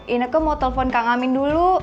ineke mau telpon kang amin dulu